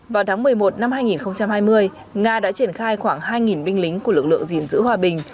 vào tháng một mươi một năm hai nghìn hai mươi nga đã triển khai khoảng hai binh lính của lực lượng gìn giữ hòa bình